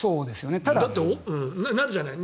だって、なるじゃない。